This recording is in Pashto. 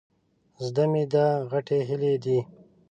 زده مې ده، غټې هيلۍ دي.